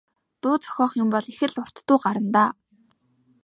Дуу зохиох юм бол их л урт дуу гарна даа.